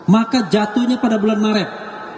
maka jatuhnya pada bulan maret